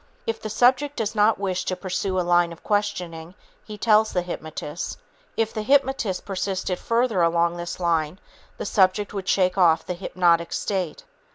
If the subject does not wish to pursue a line of questioning, he tells the hypnotist. If the hypnotist persisted further along this line, the subject would shake off the hypnotic state.